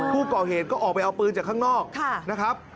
ผู้ก่อเหตุก็ออกไปเอาปืนจากข้างนอกนะครับ